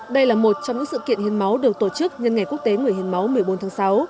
đây là một trong những sự kiện hiến máu được tổ chức nhân ngày quốc tế người hiến máu một mươi bốn tháng sáu